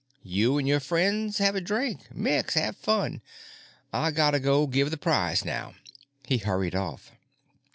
You an' your friends have a drink. Mix. Have fun. I gotta go give the prize now." He hurried off.